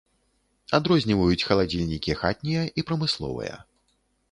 Адрозніваюць халадзільнікі хатнія і прамысловыя.